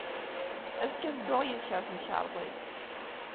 Azekka, ad dduɣ yid-k ɣer temkarḍit.